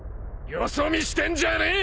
よそ見してんじゃねえ！